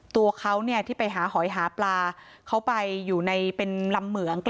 ตัวเขาเนี่ยที่ไปหาหอยหาปลาเขาไปอยู่ในเป็นลำเหมือง